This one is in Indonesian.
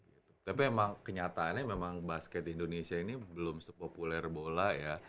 jadi emang kenyataannya memang basket indonesia ini belum sepopuler bola ya